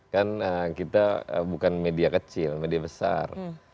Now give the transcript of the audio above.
kan kita bukan media kecil media besar